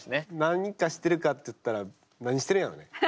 何かしてるかっつったら何してるんやろね。